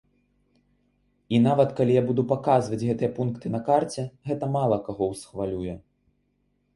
І нават калі я буду паказваць гэтыя пункты на карце, гэта мала каго ўсхвалюе.